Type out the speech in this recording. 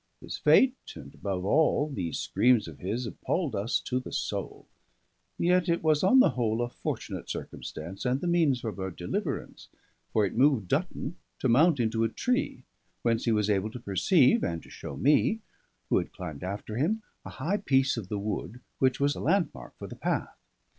His fate, and above all these screams of his, appalled us to the soul; yet it was on the whole a fortunate circumstance, and the means of our deliverance, for it moved Dutton to mount into a tree, whence he was able to perceive and to show me, who had climbed after him, a high piece of the wood, which was a landmark for the path.